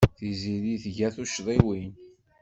Tiziri tga tuccḍiwin.